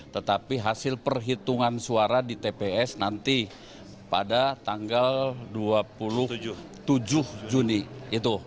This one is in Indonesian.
tetapi hasil perhitungan suara di tps nanti pada tanggal dua puluh tujuh juni itu